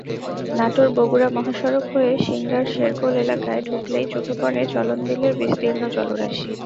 নাটোর-বগুড়া মহাসড়ক হয়ে সিংড়ার শেরকোল এলাকায় ঢুকলেই চোখে পড়ে চলনবিলের বিস্তীর্ণ জলরাশি।